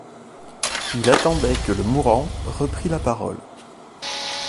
Il attendait que le mourant reprît la parole.